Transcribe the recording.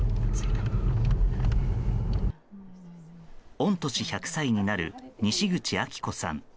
御年１００歳になる西口秋子さん。